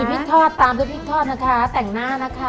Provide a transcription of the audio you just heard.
มีพริกทอดตามที่พริกทอดนะคะ